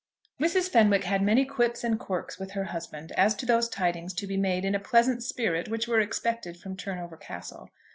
Mrs. Fenwick had many quips and quirks with her husband as to those tidings to be made in a pleasant spirit which were expected from Turnover Castle.